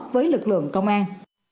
với lực lượng công an